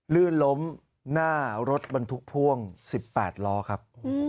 ลื่นล้มหน้ารถบรรทุกพ่วง๑๘ล้อครับ